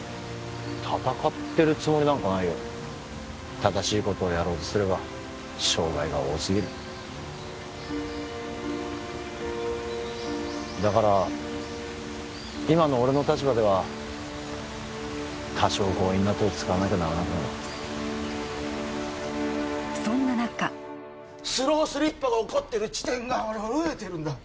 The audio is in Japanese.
戦ってるつもりなんかないよ正しいことをやろうとすれば障害が多すぎるだから今の俺の立場では多少強引な手を使わなきゃならなくなるそんな中スロースリップが起こってる地点がほら増えてるんだ